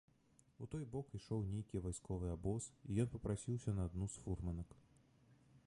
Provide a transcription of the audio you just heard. У той бок ішоў нейкі вайсковы абоз, і ён папрасіўся на адну з фурманак.